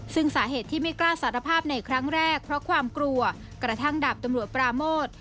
ซึ่งสาเหตุที่ไม่กล้าสารภาพในครั้งแรกเพราะความกลัวกระทั่งดาบตำรวจปราโมท